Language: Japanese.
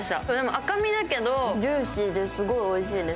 赤身だけどジューシーで、すごいおいしいです。